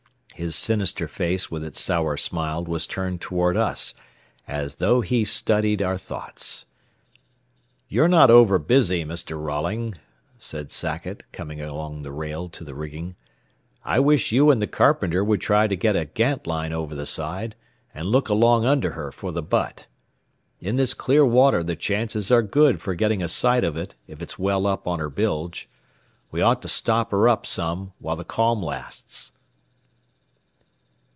His sinister face with its sour smile was turned toward us as though he studied our thoughts. "You're not over busy, Mr. Rolling," said Sackett, coming along the rail to the rigging. "I wish you and the carpenter would try to get a gantline over the side and look along under her for the butt. In this clear water the chances are good for getting a sight of it if it's well up on her bilge. We ought to stop her up some while the calm lasts."